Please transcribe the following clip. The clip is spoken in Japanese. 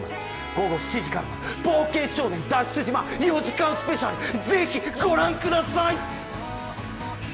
午後７時から「冒険少年」脱出島４時間スペシャル是非ご覧ください！